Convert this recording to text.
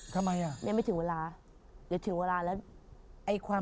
ยังไม่ถึงเวลาถึงเวลาแล้ว